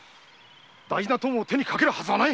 大事な友を手に掛けるはずはない！